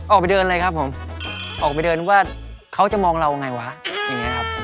ออกไปเดินเลยครับผมออกไปเดินว่าเขาจะมองเราไงวะอย่างนี้ครับ